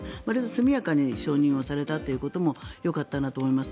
速やかに承認されたということもよかったなと思います。